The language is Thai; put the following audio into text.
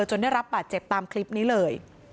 จนได้รับบาดเจ็บตามคลิปนี้เลย